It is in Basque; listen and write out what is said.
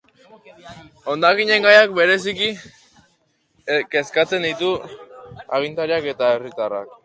Hondakinen gaiak bereziki kezkatzen ditu agintariak eta herritarrak.